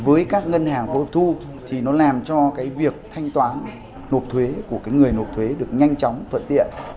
với các ngân hàng phối hợp thu thì nó làm cho việc thanh toán nộp thuế của người nộp thuế được nhanh chóng thuận tiện